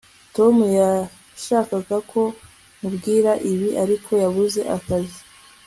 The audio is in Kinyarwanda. tom ntiyashakaga ko nkubwira ibi, ariko yabuze akazi